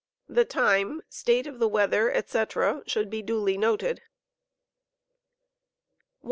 The time, state of the weather, &c., should be duly noted. 140.